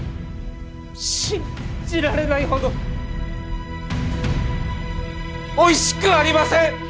信じられないほどおいしくありません！